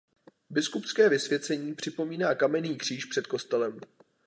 Biskupské vysvěcení připomíná kamenný kříž před kostelem.